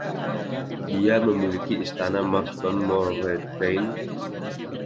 Dia memiliki istana Marston Moreteyne.